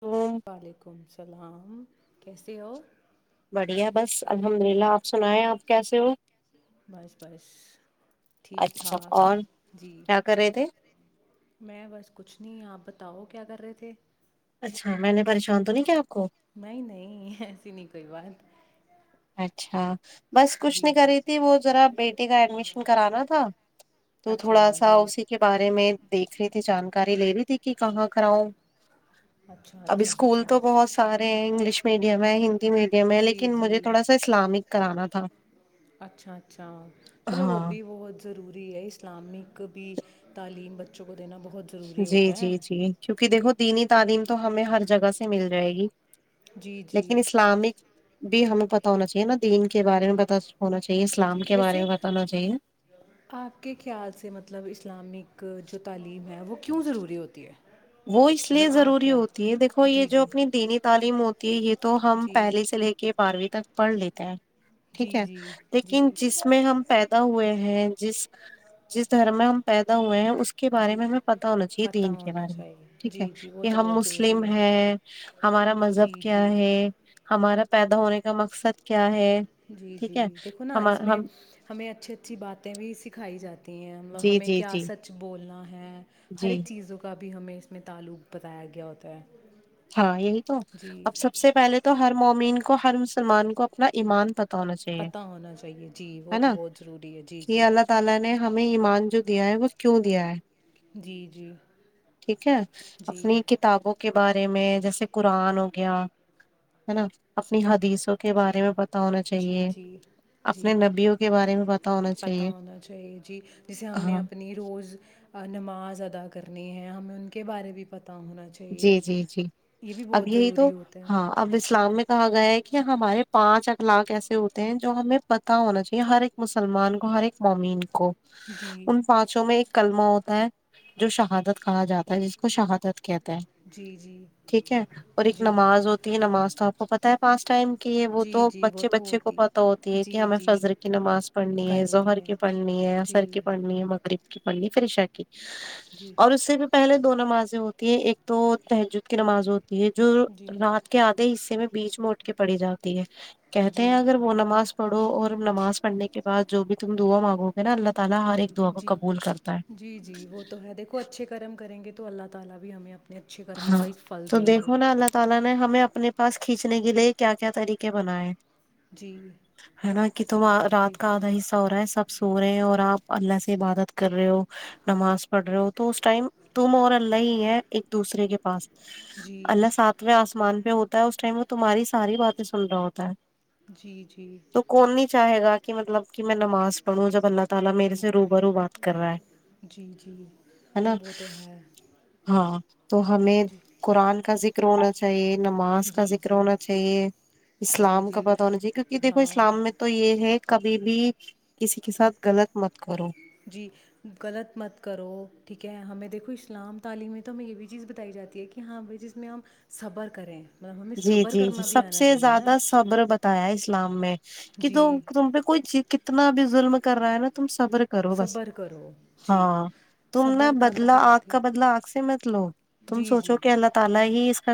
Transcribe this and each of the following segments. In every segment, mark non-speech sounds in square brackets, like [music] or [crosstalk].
تم وعلیکم السلام [inaudible] کیسے ہو بڑھیا بس الحمد للہ آپ سنائیں آپ کیسے ہو بس بس ٹھیک اچھا ٹھاک اور جی کیا کر رہے تھے میں بس کچھ نہیں آپ تاؤ کیا کر رہے تھے اچھا میں نے پریشان تو نہیں کیا آپ کو نہیں نہیں ایسی نہیں کوئی بات اچھا بس کچھ جی نہیں کر جی رہی تھی وہ ذرا بیٹے کا ایڈمیشن کرانا تھا تو اچھا تھوڑا سا جی اسی کے بارے میں دیکھ رہی تھی جانکاری لے رہی تھی کہ کہاں کراؤ اچھا ابھی اچھا اسکول اچھا تو بہت سارے ہیں انگلش میڈیم ہے ہندی میڈیم ہے جی لیکن مجھے جی تھوڑا سا اسلامک کرانا تھا اچھا اچھا چلو وہ ہاں بھی بہت ضروری ہے اسلامک بھی تعلیم بچوں کو دینا بہت ضروری جی ہوتا ہے جی جی کیونکہ دیکھو دینی تعلیم تو ہمیں ہر جگہ سے مل جائے گی جی جی لیکن اسلامک بھی ہمیں پتا ہونا چاہے نا دین کے بارے ج میں پتہ ہونا چاہیے اسلام جی کے بارے ویسے میں پتہ ہونا چاہیے آپ کے خیال سے مطلب اسلامک جو تعلیم ہے وہ کیوں ضروری ہوتی ہے وہ اس لیے مطلب آپ ضروری کیا ہوتی ہے دیکھو یہ جی جو جی اپنی دینی تعلیم ہوتی یہ یہ تو ہم جی پہلے سے لے کے بارہویں تک پڑھ لیتے ہیں ٹھیک جی ہے جی لیکن جی جس میں ہم پیدا ہوئے ہیں جس جس دھرم میں ہم پیدا ہوئے ہیں اس کے بارے جی میں ہمیں پتا ہونا چاہیے پتہ دین کے ہونا بارے میں چاہیے ٹھیک ہے جی جی وہ کہ تو ہم بہت مسلم ضروری ہے ہیں ہمارا جی مذہب کیا جی ہے ہمارا پیدا ہونے کا مقصد کیا ہے جی ٹھیک جی ہے دیکھو نا ہم اس میں ہم ہمیں اچھی اچھی باتیں بھی سکھائی جاتی ہیں جی ہمیں جی کیا جی سچ بولنا ہے ہیں ہر جی ایک چیزوں کا اب بھی ہمیں اس میں تعلق بتایا گیا ہوتا ہے ہاں یہی تو جی اب سب سے پہلے تو ہر مومین کا کو ہر مسلمان کو اپنا ایمان پتا ہونا چاہیے پتہ ہونا چاہیے جی وہ ہے تو نا بہت ضروری ہے جی کہ جی اللہ تعا لا نے ہمیں ایمان جو دیا ہے بس کیوں دیا ہے جی جی ٹھیک ہے جی اپنی کتابوں کو کے بارد [unintelligible] میں جیسے قرآن ہو گیا ہے نا اپنی حدیث جی جی اپنے جی نبیوں کے بارے میں پتا ہونا پتا چاہیے ہونا چاہیے جی جیسے ہم نے ہاں اپنی روز نماز اد کرنی ہے ہمیں ان کے بارے بھی پتا جی جی جی اب بہت یہی تو ضروری ہوتا ہے ہاں اب اسلام میں کہا گیا ہے کہ ہمارے پانچ اخلاق ایسے ہوتے ہیں جو ہمیں پتا ہونا چاہیے ہر ایک مسلمان کو ہر ایک مومین کو جی ان پانچوں میں ایک کلمہ ہوتا ہے جو شہادت کہا جاتا ہے جس کو شہادت کہتے جی جی ٹھیک ہے اور ایک جی نماز ہوتی ہے نماز کا تو پتا ہے پانچ ٹائم کہ وہ جی تو جی وہ بچے تو بچے کو ہوتی پتہ ہوتی ہے کہ جی ہمیں جی فضر کی نماز پڑھنی ہے ظہر کی پڑھنی ہے جی عصر کی پڑھنی ہے مغرب کی پڑھنی ہے پھر عشا کی جی اور اس سے بھی پہلے دو نمازیں ہوتے ایک تو تہجد کی نماز ہوتی ہے جو جی رات کے آدھے حصے میں بیچ میں اٹھ کے پڑھی جاتی ہے کہتے ہیں جی اگر وہ نماز پڑھو اور نماز پڑھنے کے بعد جو بھی تم دعا مانگو گے نا اللہ تعالی ہر جی ایک دعا کو جی قبول کرتا ہے جی جی وہ تو ہے دیکھو اچھے کرم کریں گے تو تو اللہ تالی بھی ہمیں اپ ہاں تو دیکھو نا اللہ تعالی نے ہمیں اپنے پاس کھینچنے کے لیے کیا کیا طریقے بنائے جی ہے نا کہ تم جی رات کا آدھا حصہ ہو رہا ہے سب سو رہے ہیں اور آپ اللہ سے عبادت کر رہے ہو نماز پڑھ رہے ہو تو اس ٹائم تم اور اللہ ہی ہے ایک دوسرے کے پاس جی اللہ ساتویں آسمان میں ہوتا ہے اس ٹائم میں تمہاری ساری باتیں سن رہا ہوتا ہے جی جی تو کون نہیں چاہے گا کہ مطلب کہ میں نماز پڑھو جب اللہ تعالی میرے جی سے روں بروں بات کر رہا ہے جی جی ہے نا وہ تو ہے ہاں تو ہمیں جی قرآن کا ذکر ہونا چاہی نماز کا جی ذکر جی ہونا چاہیے جی اسلام کا جی پتہ ہونا چاہیے کیونکہ دیکھو ہاں اسلام میں تو یہ ہے کبھی بھی کسی کے ساتھ غلط مت کرو جی غلط مت کرو ٹھیک ہے ہمیں دیکھو کچھ اسلام تعلیممی تو ہمیں یہ بھی چیز بتائی جاتی ہے کہ ہاں بھائی جس میں ہم صبر کریں مطلب ہمیں جی صبر جی جی کرنا بھی سب آنا سے چاہیے نا زیادہ صبر بتایا اس اسلام میں کہ تو جی تم کوئی ج اتنا بھی ظلم کر رہا ہے نا ت [unintelligible] صبر کرو جی صبر کا اھا بتاتے ہیں جی جی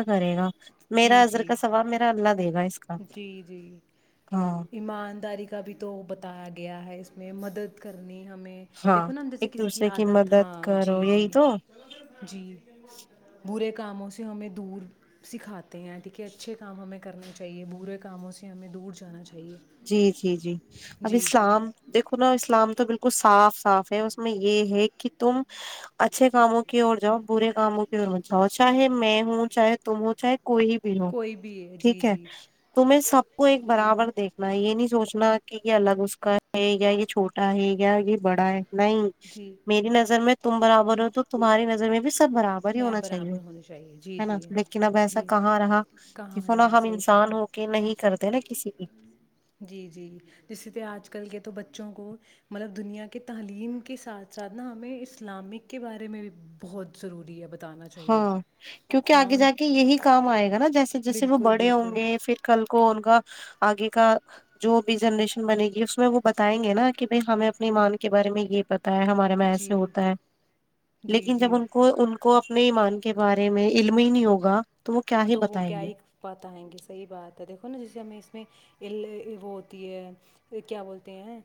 کرے گا [unintelligible] میرا جی اظر جی کا سثواب میرا اللہ دے گا اس کا جی جی ہاں ایمانداری کا بھی تو بتایا گیا ہے اس میں مدد کرنی ہمیں ہاں دیکھو نا ہم جیسے ایک کسی کی دوسرے عادت مدد ہاں کرو جی یہی جی تو جی برے کا کاموں سے ہمیں دور سکھاتا دھ کہ اچھے کام ہمیں کرنا چاہیے برے کاموں سے ہمیں دور جانا چاہیے جی جی جی اب جی جی اسلام دیکھو نا اسلام تو بالکل کو صاف صاف ہے اس میں یہ ہے کہ تم اچھے کاموں کی اور جاؤ برے کاموں کی میں جاؤ چاہے میں ہوں چاہے تم ہوں چاہے کوئی بھی ہو کوئی بھی جی ٹھیک ہے جی تو میں سب کو ایک برابر دیک [unintelligible] یہ نہیں سوچنا کہ یہ الگ اس کا ہے یا یہ چھوٹا ہے یا یہ بڑا ہے نہیں جی میری نظر میں تم برابر ہو تو تمہاری نظر میں بھی سب برابر ہی میں ہونا چاہیے برابر ہونی چاہیے جی ہے نا جی لیکن اب ایسا جی کہاں رہا کہاں دف نا رہا ہم صحیح بات انسان ہے ہو کے نہیں کرتے نا کسی بھی جی جی جیسے تو آج کل کے تو بچوں کو مطلب دنیا کے تعلیم کے ساتھ ساتھ نا ہمیں اسلامک کے بارے میں بھی بہت ضروری دیاب [unintelligible] ہاں کیونکہ آگے جا کے یہی کام آئے گا نا جیسے جیسے وہ بالکل بڑے بالکل ہوں گے پھر کل کو ان کا آگے کا جو بھی جنریشن بنے گی اس میں وہ بتائیں گے نا کہ بھائی ہمیں اپنی مان کے بارے میں یہ پتا ہمارے میں ایسے جی ہوتا ہے جی لیکن جب جی ان کو ان کو اپنے ایمان کے بارے میں علم ہی نہیں ہوگا وہ کیا ہی تو وہ بتائیں کیا گے ہی بتئیں گے صحی بات ہے دیکھو نا جسے ہمیں اس میں ع وہ ہوتی ہے کیا بولتے ہیں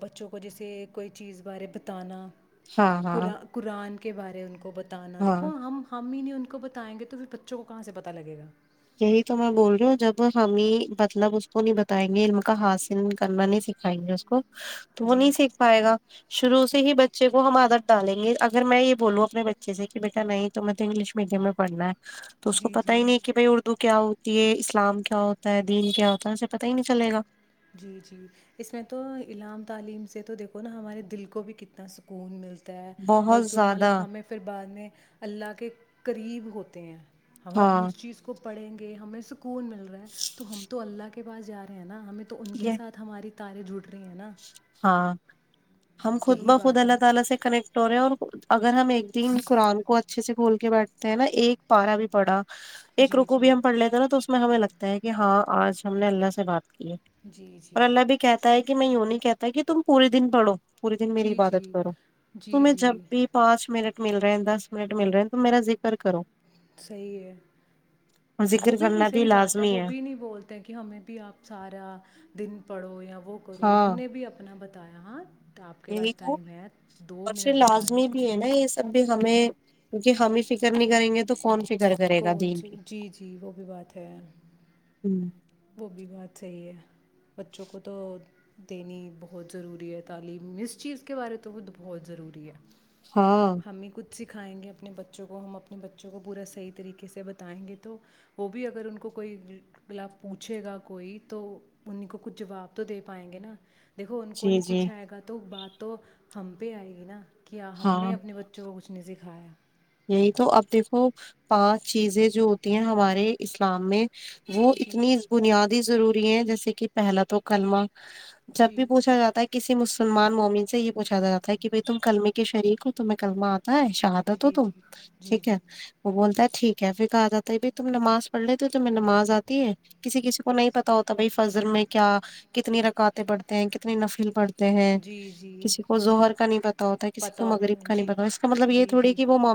بچوں کو جیسے کوئی چیز بارے بتانا ہاں ہاں قآ قرآن کے بارے ان کو بتا ا ہاں دیکھو ہم ہم می نہیں ان کو بتائ گے تو پھر بچوں کو کہاں سےتا پتا لگے گا یہی تو میں بول رہی ہوں جب ہمیں مطلب اس کو نہیں بتائیں گے علم کا حاصل کرنا نہیں سکھائیں گے اس کو تو وہ نہیں جی سیکھ پائے گا شروع سے ہی بچے کو ہم آدت ڈالیں گے اگر میں یہ بولوں اپنے بچے سے کہ بیٹا نہیں تو میںیں تو انگلش میڈیم میں پڑھنا ہے تو اس کو جی پتا جی ہی نہیں کہ بھائی اڑتا ر کیا ہوتی ہے اسلام کیا ہوتا ہے دین کیا ہوتا ہے اسے پتا ہی نہیں چلے گا جی جی اس میں تو اعام تعلیم سے تو دیکھو نا ہمارے دل کو بھی کتنا سکون ملتا اور بہت جو مطلب زیادہ ہمیں پھر بعد میں اللہ کے قریب ہوتے ہیں اب ہم ہاں اس چیز کو پڑیں گے ہمیں س کون مل رہا ہے تو ہم تو اللہ کے پس جا رہے ہیں نا ہمیں تو ان کے یہ ساتھ ہماری تاری جٹ رہی ہیں نا ہاں ہم خود یہی ب خود بات ہے اللہ نا تعالی سے کنیکٹ ہو رہے ہیں اور اگر ہم ایک دن قرآن کو اچھے سے کھول کے بیٹھتے ہیں نا ایک پارا بھی پڑا ایک جی رکو جی بھی ہم پڑ لیتے نا تو ہمیں لگتا ہے کہ ہاں آج ہم نے اللہ سے بات جی اور جی اللہ بھی کہتا ہے کہ کہ میں وں نہیں کہتا ت کہ تم پورے دن پڑو پورے دن میری جی عبادت جی کرو تو جی جب جی بھی پانچ منٹ مل رہے ہیں دس منٹ مل رہے ہیں تو میرا ذکر کرو صحی ہے اور وہ ذکر بھی نہیں کرنا صحیح بات ہے لازمی وہ بھی نہیں بولتے کہ ہمیں بھی آپ سارا دن پڑھو یا وہ کرو انہوں ہاں نے بھی اپنا بتایا ہاں تو آپ کے یہی پاس تو ٹائم ہے دو منٹ نکالو تب بھی ہمیں کیونکہ ہم ہی فکر نہیں کریں گے تو کون فکر کرے گا کون دین سی کی جی جی وہ بھی بات ہے ہوں وہ بھی بات صحیح ہے بچوں کو تو دینی بہت ضروری ہے تعلیم اس چیز کے بارے تو خود بہت ضروری ہے ہاں ہم ہی کچھ سکھائیں گے اپنے بچوں کو ہم اپنے بچوں کو پورا صحیح طریقے سے بتائیں گے تو وہ بھی اگر ان کو کوئی گلاب پوچھے گا کوئی تو انیں کو کچھ جواب تو دے پائیں گے نا دیکھو ان کو جی نہیں جی کچھ آئے گا تو بات تو ہم پہ آئے گی نا کیا ہم نے ہاں اپنے بچوں کو اس نے سکھایا یہی تو اب دیکھو پانچ چیزیں جو ہوتی ہیں ہمارے اسلام میں وہ جی اتنی بنیادی ضرورت بھی ہیں جیسے کہ پہلا تو کلمہ جب جی بھی پوچھا جاتا ہے کہ کسی مسلمان مومن سے یہ پوچا جاتا کہ بھائی تم کلمے کے شریک ہو تمہیں کلمہ آ نہیں شاہاد ہو جی تو جی جی ٹھیک ہے جی وہ بولتا ہے ٹھیک ہے پھر کہا جاتا ہے بائی تم نماز پڑھ لیتے ہو تمہیں نماز آتی ہے کسی کسی کو نہیں پتا ہوتا بائی فجر میں کیا کتنی رکواتیں پڑھتے ہیں کتنی نفیل پڑھتی جی جی کسی کو زہر کا نہیں پتا ہوتا کسی پتہ کو ہوتا مغرب ہے کا نہیں جی پتا ہوتا اس کا مطلب یہ جی تھوڑی ہے جی کہ وہ وہ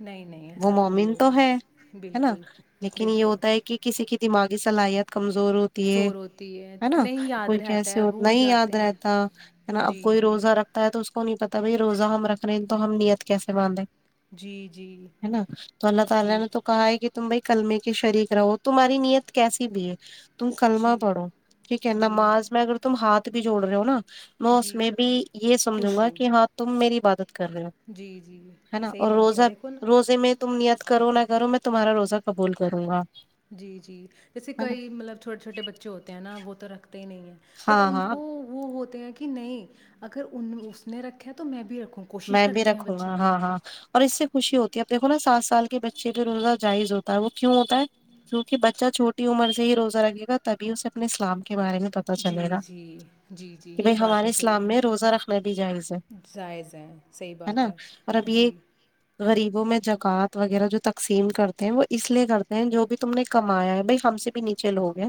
نہیں نہیں ایسا تھوڑی مومن تو ہوتا ہے نا بالکل لیکن یہ بالکل ہوتا ہے کہ کسی کی دماغی صلاحیت کمزور ہوتی سور ہوتی ہے نا نہیں یاد کوئی رہتا کیسے ہے ہو بھول نہیں جاتے یاد ہیں رہتا ہے نا اب جی کوئی جی روزہ رکھتا ہے تو اس کو تو نہیں پتا بھائی روزہ ہم رکھ رہے ہیں تو ہم نیت کیسے باندھیں جی جی ہے نا تو اللہ تعالی جی نے تو کہا ہے کہ تم بھائی کلمے کی شریک رہو تمہاری نیت کیسی بھی ہے تم کلمہ جی پڑو ٹھیک ہے جی نماز میں اگر تم ہاتھ بھی جوڑ رہے ہو نا میں اس جی میں بھی یہ سمجھوں خوش گا ہوں کہ ہاں تم میری ب [unintelligible] جی جی [unintelligible] ہے نا اور بات روزہ ہے دیکھو نا روزے میں تم نیت کر [unintelligible] رو نہ کرو م میں تمہارا روزہ قبول کروں گا [unintelligible] جی جی جیسے ہے نا کئی مطلب چھوٹے چھوٹے بچے ہوتے ہیں نا وہ تو رکھ نہیں ہے بٹ ہاں ان ہاں کو وہ ہوتے ہیں کہ [unintelligible] نہیں اگر ان اس نے رکھا تو میں بھی رکھوں [unintelligible] میں بھی کرتے ہیں رکھوں گا بچے ہاں ہاں اور اس سے خوشی ہوتی ہے اب دیکو نا سات سال کے بچے بھی روزہ جائز ہوتا ہے وہ کیوں ہوتا ہے کیوں کہ بچہ چھوٹی عمر سے ہی روزہ رکھے گا تبھی اسے اپنے اسلام [unintelligible] کے بارے میں پتا چلے جی گا جی جی جی کہ یہ بھائی بات ہمارے تو صحیح اسلام میں ہے روزہ رکھنے دی جائز ہے [unintelligible] جائز ہیں صحیح ہے نا بات اور اب ہاں، یہ جی غریب میں جگات وغیرہ جو تقسیم کرتے ہیں وہ اس لیے کرتے ہیں جو بھی تم نے کمایا ہے بھائی ہم سے بھی نیچے لوگے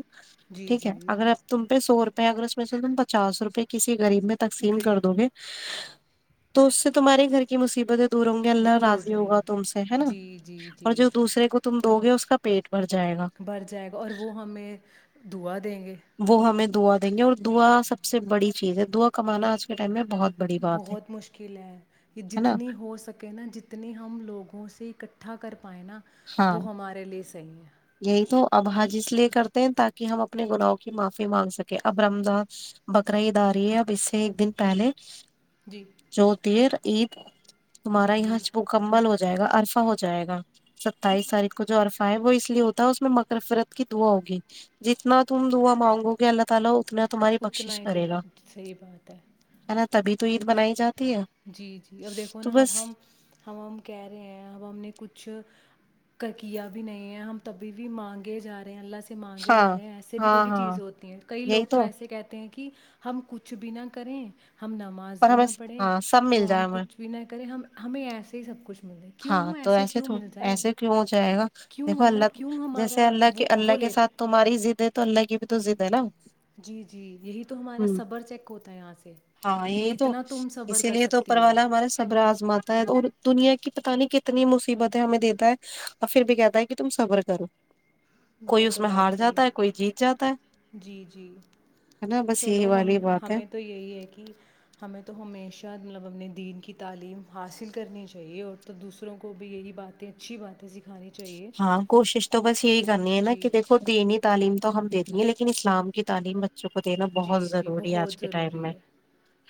جی ٹھیک ہے جی اگر اپ تم پ سو روپئے اگر اس میں پچا روپئے کسی غریب میں تقسیم کر غریب دوں گے تو اس سے تمہارے گھر کی مصیبت ہے دور ہ گے اللہ دور ہو راضی جائیں ہوگا گی تم سے ہے نا جی جی اور جی جو دوسرے کو تم دو گے اس ک پیٹ بھر جائے گا بھر جائے گا اور وہ ہمیں دعا دیں گے وہ ہمیں دوا دیں گے اور دعا سب سے بڑی چیز ہے دوا کمانا آج کے ٹائم میں بہت بڑی بات ہے بہت مشکل ہے یہ ہے نا جتنی ہو سکے نا جتنی ہم لوگوں سے اکٹا ٹھا کر پائے نا وہ ہمارے لیے جیے نہیں تو اب حج اس لیے کرتے ہیں تاکہ ہم اپنے گنااہ کی معافی مانگ سکیں اب رمضان بکراعداری ہے اب اس سے ایک دن پہلے جی جوتیر یہ تمہارا جی یہاں جی سے مکمبل ہوتا جائے گا الرفا ہو جائے گا ستائیس تاریخ کو جو عرفہ ہے وہ اس [inaudible] اتنا بخشش ہی تم کرے گا صحی بات ہے ہے نا تبھی تو عید منائی جاتی ہے جی جی اب دیکھو تو نا بس اب ہم ہم ہم کہہ رہے ہیں اب ہم نے کچھ کا کیا بھی نہیں ہے ہم تبھی بھی مانگے جا رہے ہیں اللہ سے سے مانگے ہاں جا رہے ہیں ایسے بھی ہاں تھوڑی ہاں چیز ہوتی ہیں کئی لوگ تو ایسے کہتے ہیں کہ ہم کچھ بھی نہ کریں ہم نماز پر بھی نہ ہمیں پڑھیں ہاں سب مل تو ہم جائے ہمیں کچھ بھی نہ کریں ہم ہمیں ایسے ہی سب کچھ مل جائے ہاں کیوں تو ایسے کیوں تھ مل جائیں ایسے کیوں ہو جائے گا کیوں دیکھو اللہ کیوں جیسے ہمارا اللہ وہ کے اللہ وہ کے لے ساتھ تمہاریضد ہے تو اللہ کی بھی توز د ہے نا جی جی یہی تو ہمارا ہوں صبر چیک ہوتا ہے یہاں سے ہاں کہ یہی تو کتنا تم صبر اسی کر لیے تو اوپر سکتی ہو والا پت نہیں کتنی مصیبتیں ہمیں دیتا ہے اور پھر بھی کہتا ہے کہ تم سفر کرو کوئی وہ اس تو میں بات ہار صحی جاتا ہے کوئی جیت جاتا ہے جی جی ہے نا بس یہی چلو والی ہم بات ہے ہمیں تو یہی ہے کہ ہمیں تو ہمیشہ مطلب اپنے دین کی تعلیم حاصل کرنی چاہیے اور تو دوسروں کو بھی یہی باتیں اچھی باتیں سیکھ ہاں کوشش تو بس یہی کرنی ہیںا جی کہ دیکھو دین تعلیم تو دے دی ہیں لیکن اسلام کی تعلیم میں جی جی بہت ضروری میں ہے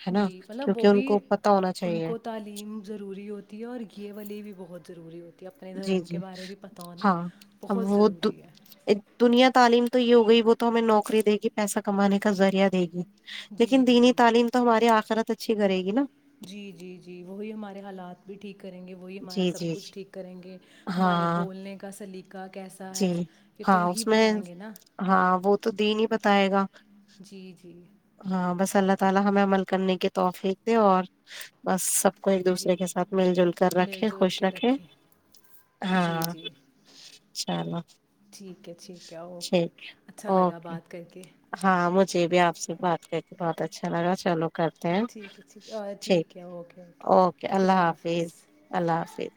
ہے نا جی مطلب وہ کیونکہ ان بھی کو پتا ہونا ان چاہیے کو تعلیم ضروری ہوتی ہے اور گیے والی بھی بہت روری ہوتا جی جی ہاں ا بہت وہ ضروری ہے دنیا تعلیم تو یہ ہو گئی وہ تو ہمیں نوکری دے گی پیسہ کمان کا ذریعہ دے گی جی لیکن دینی جی تعلیم تو ہماراری آخرت اچھی کرے گی نہ جی جی جی وہی ہمارے حالات بھی ٹھیک کریں گے وہی ہمارا جی سب جی کچھ جی ٹھیک کریں گے ہمارے ہاں بولنے کا سلی جی ہاں اس میں بتائیں گے نا ہاں وہ تو د نہیں بتائے گا جی جی ہاں بس اللہ [unintelligible] آ کو ایک جی دوسرے کے ساتھ مل جل کر مل رکھے جل خوش کے رکھے رکھیں جی ہاں جی چلو ٹھیک ہے ٹھیک ہے اوکے ٹھیک اچھا لگا اوکے بات کر کے ہاں مجھے بھی آپ سے بات کر کے بہت اچھا لگا چلو کرتے ہیں ٹھیک ہے ٹھیک ہے اور ٹھیک ہے اوکے اوکے اللہ حافظ اللہ حافظ